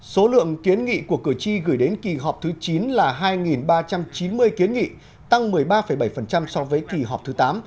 số lượng kiến nghị của cử tri gửi đến kỳ họp thứ chín là hai ba trăm chín mươi kiến nghị tăng một mươi ba bảy so với kỳ họp thứ tám